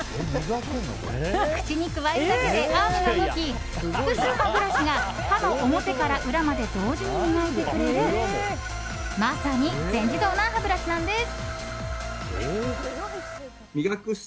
口にくわえるだけでアームが動き複数のブラシが歯の表から裏まで同時に磨いてくれるまさに全自動な歯ブラシなんです。